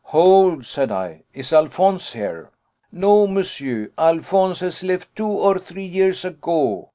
"Hold," said I; "is Alphonse here?" "No, monsieur, Alphonse has left two or three years ago.